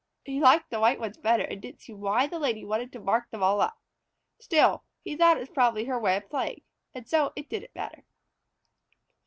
He liked the white ones the better and didn't see why the Lady wanted to mark them all up so. Still, he thought it was probably her way of playing, so it didn't matter.